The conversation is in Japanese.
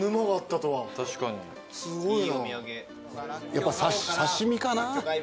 やっぱ刺し身かなぁ。